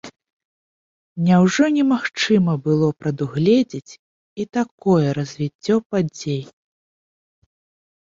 Няўжо немагчыма было прадугледзіць і такое развіццё падзей?